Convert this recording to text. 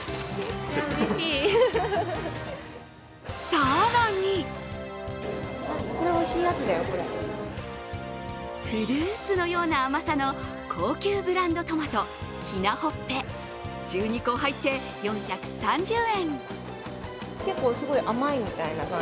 更にフルーツのような甘さの高級ブランドトマト、雛ほっぺ１２個入って４３０円。